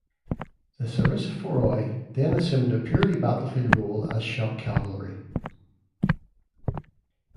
The "sarissaphoroi" then assumed a purely battlefield role as shock cavalry.